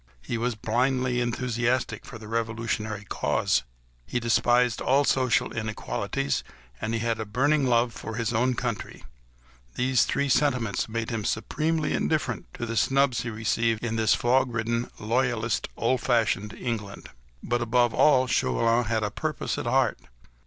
He was blindly enthusiastic for the revolutionary cause, he despised all social inequalities, and he had a burning love for his own country: these three sentiments made him supremely indifferent to the snubs he received in this fog ridden, loyalist, old fashioned England. But, above all, Chauvelin had a purpose at heart.